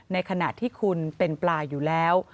ในขณะที่คุณเป็นปลาอยู่แล้ว